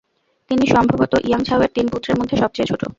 তিনি সম্ভবত ইয়াং ঝাওয়ের তিন পুত্রের মধ্যে সবচেয়ে ছোট।